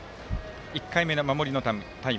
１回目の守りのタイム。